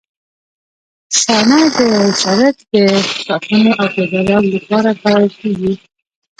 شانه د سرک د ساتنې او پیاده رو لپاره کارول کیږي